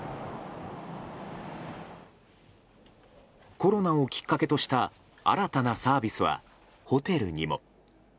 コロナをきっかけとした新たなサービスは、ホテルにも。